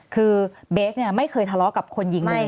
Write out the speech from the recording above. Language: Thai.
คือเบสไม่เคยทะเลาะกับคนยิงหนึ่ง